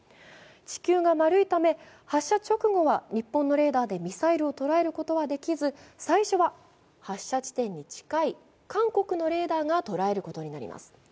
地球が丸いため、発射直後は日本のレーダーでミサイルを捉えることはできず最初は、発射地点に近い韓国のレーダーが捉えることになります。